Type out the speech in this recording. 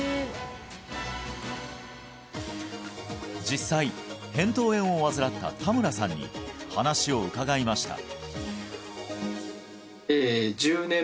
実際扁桃炎を患った田村さんに話を伺いました